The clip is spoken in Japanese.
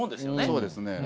そうですね。